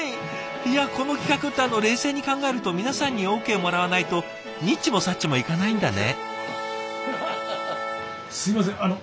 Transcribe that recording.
いやこの企画ってあの冷静に考えると皆さんにＯＫもらわないとにっちもさっちもいかないんだね。